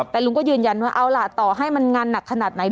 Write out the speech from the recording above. แต่ลุงก็ยืนยันว่าเอาล่ะต่อให้มันงานหนักขนาดไหน